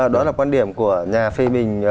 đó là quan điểm của nhà phim bình